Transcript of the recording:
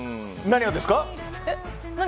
何がですか？